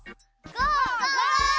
ゴー！